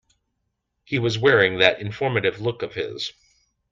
He was wearing that informative look of his.